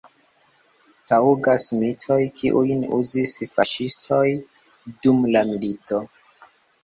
Taŭgas mitoj, kiujn uzis faŝistoj dum la milito.